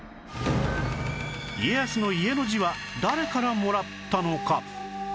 家康の「家」の字は誰からもらったのか？